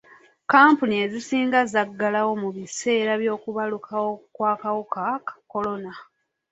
Kkampuni ezimu zaggalawo mu biseera by'okubalukawo kw'akawuka ka kolona.